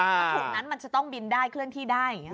ถ้าถูกนั้นมันจะต้องบินได้เคลื่อนที่ได้อย่างนี้